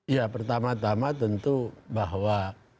ya pertama tama tentu bahwa